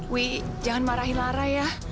wi jangan marahi lara ya